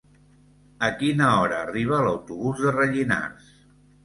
A quina hora arriba l'autobús de Rellinars?